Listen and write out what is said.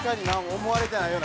思われてないような。